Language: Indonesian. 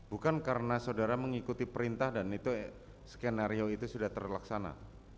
bukan karena saudara mengikuti perintah dan itu skenario itu sudah terlaksana